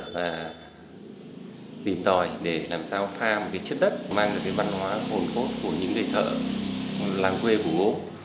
và tìm tòi để làm sao pha một cái chất đất mang được cái văn hóa hồn khốt của những đời thợ làng quê của gốm